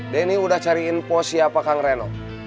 denny sudah cari info siapa kang reno